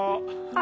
あ！